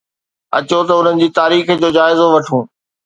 اچو ته انهن جي تاريخ جو جائزو وٺون